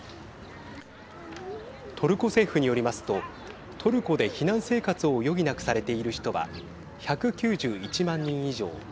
トルコ政府によりますとトルコで避難生活を余儀なくされている人は１９１万人以上。